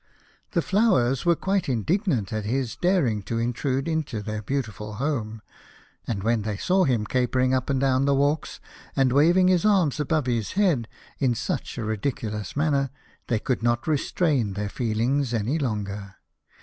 The Flowers were quite indignant at his daring to intrude into their beautiful home, and when they saw him capering up and down 43 A House of Pomegranates. the walks, and waving his arms above his head in such a ridiculous manner, they could not restrain their feelings any longer.